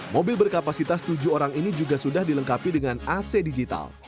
mobil berkapasitas tujuh orang ini juga sudah dilengkapi dengan ac digital